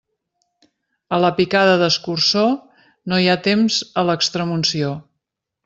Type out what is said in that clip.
A la picada d'escurçó, no hi ha temps a l'extremunció.